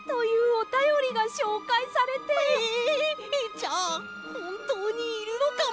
じゃあほんとうにいるのかも！